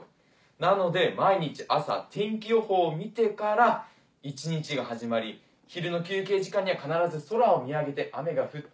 なので毎日朝天気予報を見てから一日が始まり昼の休憩時間には必ず空を見上げて雨が降って。